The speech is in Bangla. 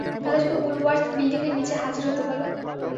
তাদেরকে উলওয়ার্থ বিল্ডিংয়ের নিচে হাজির হতে বলো।